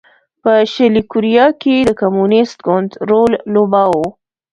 په شلي کوریا کې د کمونېست ګوند رول لوباوه.